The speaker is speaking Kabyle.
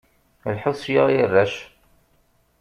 Lḥut sya ay arrac!